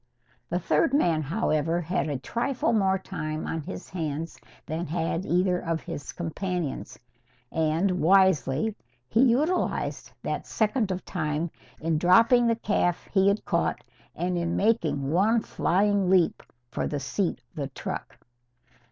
The third man, however, had a trifle more time on his hands than had either of his companions. And, wisely, he utilised that second of time in dropping the calf he had caught and in making one flying leap for the seat of the truck.